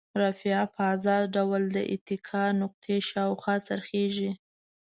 رافعه په ازاد ډول د اتکا نقطې شاوخوا څرخیږي.